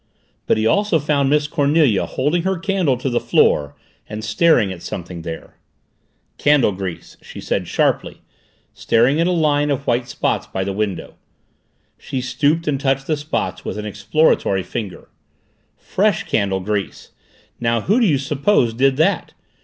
But he also found Miss Cornelia holding her candle to the floor and staring at something there. "Candle grease!" she said sharply, staring at a line of white spots by the window. She stooped and touched the spots with an exploratory finger. "Fresh candle grease! Now who do you suppose did that?